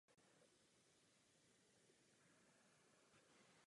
Dalších třicet let pracoval jako fotograf na volné noze.